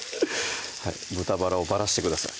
豚バラをばらしてください